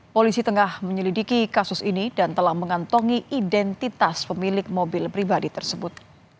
polisi tengah menyelidiki kasus ini dan telah mengantongi identitas pemilik mobil pribadi tersebut